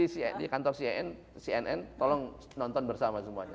di kantor cnn tolong nonton bersama semuanya